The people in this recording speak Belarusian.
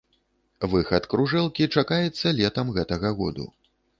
Выхад кружэлкі чакаецца летам гэтага году.